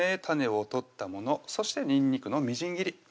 種を取ったものそしてにんにくのみじん切り